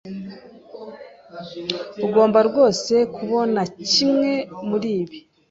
Ugomba rwose kubona kimwe muribi.